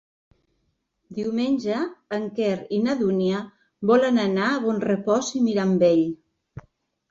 Diumenge en Quer i na Dúnia volen anar a Bonrepòs i Mirambell.